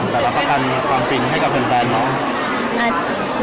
แต่ระปากกันความฝินให้กับสนใจของเนอะ